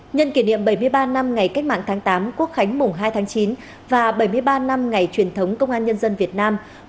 nhân kỷ niệm bảy mươi ba năm ngày cách mạng tháng tám quốc khánh mùng hai tháng chín và bảy mươi ba năm ngày truyền thống công an nhân dân việt nam